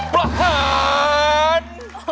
ประหาร